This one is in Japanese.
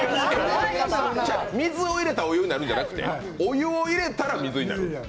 水を入れたらお湯になるんじゃなくてお湯を入れたら水になる？